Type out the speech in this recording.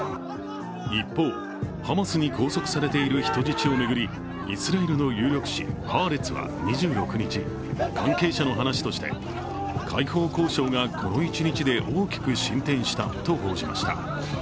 一方、ハマスに拘束されている人質を巡りイスラエルの有力紙「ハーレツ」は２６日、関係者の話として解放交渉がこの一日で大きく進展したと報じました。